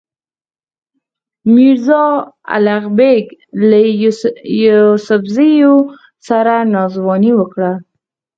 میرزا الغ بېګ له یوسفزیو سره ناځواني وکړه.